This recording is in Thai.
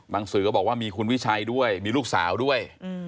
สื่อก็บอกว่ามีคุณวิชัยด้วยมีลูกสาวด้วย